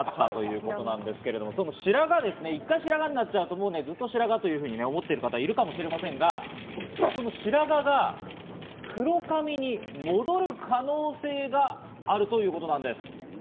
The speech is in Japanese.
その白髪、一回白髪になっちゃうと、ずっと白髪と思っている方がいるかもしれませんが、その白髪が黒髪に戻る可能性があるということなんです。